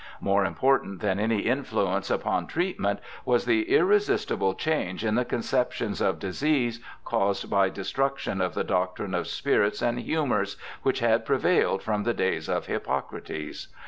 More important than any influence upon treat ment was the irresistible change in the conceptions of disease caused by destruction of the doctrine of spirits and humours, which had prevailed from the days of Hippocrates.